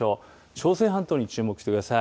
朝鮮半島に注目してください。